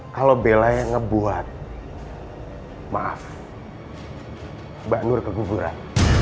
kalau bela yang ngebuat maaf mbak nur keguguran